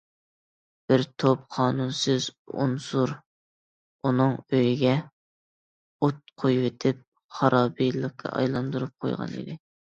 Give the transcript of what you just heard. بىر توپ قانۇنسىز ئۇنسۇر ئۇنىڭ ئۆيىگە ئوت قويۇۋېتىپ، خارابىلىككە ئايلاندۇرۇپ قويغان ئىدى.